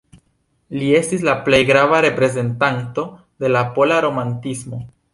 Li estis la plej grava reprezentanto de la pola romantismo.